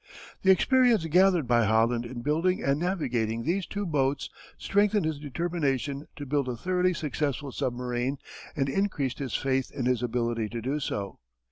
The experience gathered by Holland in building and navigating these two boats strengthened his determination to build a thoroughly successful submarine and increased his faith in his ability to do so.